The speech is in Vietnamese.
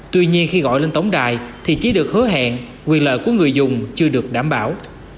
tuy nhiên khi gọi lên tổng đài thì chỉ được hứa hẹn quyền lợi của người dùng chưa được đảm bảo